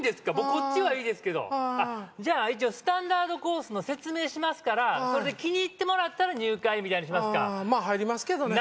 こっちはいいですけどじゃ一応スタンダードコースの説明しますからそれで気に入ってもらったら入会みたいにしますかまあ入りますけどね